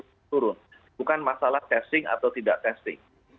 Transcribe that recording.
tidak ada hubungannya testing atau tidak testing